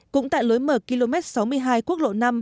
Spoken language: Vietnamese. cũng tại lối mở km sáu mươi hai quốc lộ năm